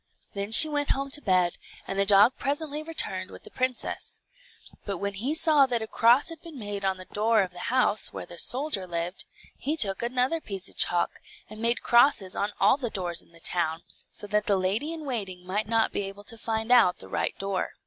Then she went home to bed, and the dog presently returned with the princess. But when he saw that a cross had been made on the door of the house, where the soldier lived, he took another piece of chalk and made crosses on all the doors in the town, so that the lady in waiting might not be able to find out the right door.